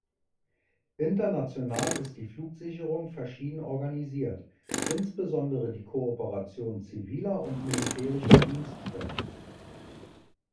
International ist die Flugsicherung verschieden organisiert, insbesondere die Kooperation ziviler und militärischer Dienststellen.